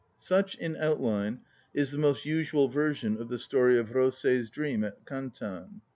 Such, in outline, is the most usual version of the story of Rosei's dream at Kantan.